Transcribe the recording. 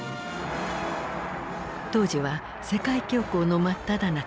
当時は世界恐慌の真っただ中。